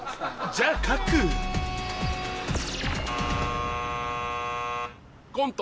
じゃあ書くコント